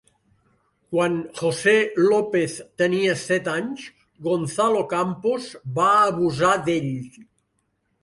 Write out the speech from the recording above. Quan José López tenia set anys, Gonzalo Campos va abusar d'ell.